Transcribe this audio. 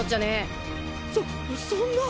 そそんな。